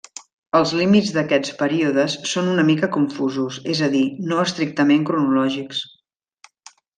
Els límits d'aquests períodes són una mica confusos, és a dir, no estrictament cronològics.